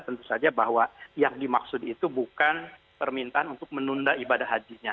tentu saja bahwa yang dimaksud itu bukan permintaan untuk menunda ibadah hajinya